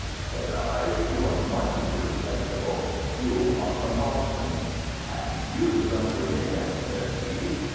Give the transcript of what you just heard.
said I. 'You are much too respectable. You are from Boston.' "'And you from Virginia,' said he.